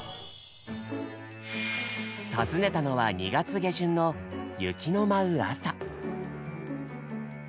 訪ねたのは２月下旬の雪の舞う朝。